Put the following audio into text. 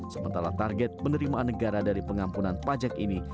sementara target penerimaan negara dari pengampunan pajak ini